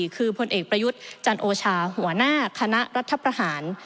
คือพลเอกประยุทธ์จันโอชาหัวหน้าคณะรัฐประหาร